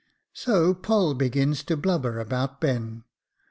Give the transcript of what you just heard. So Poll begins to blubber about Ben.